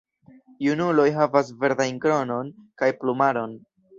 Junuloj havas verdajn kronon kaj plumaron.